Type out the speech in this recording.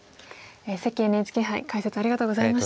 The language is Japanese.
関ＮＨＫ杯解説ありがとうございました。